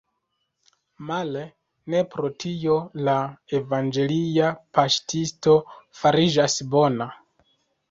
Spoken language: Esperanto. Male, ne pro tio la evangelia paŝtisto fariĝas bona.